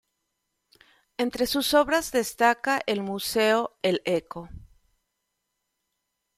Entre sus obras destaca el Museo El Eco.